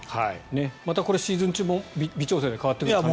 またこれシーズン中も微調整で変わっていく可能性も。